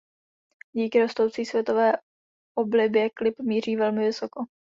Díky rostoucí světové oblibě klip míří velmi vysoko.